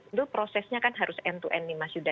itu prosesnya kan harus end to end nih mas yuda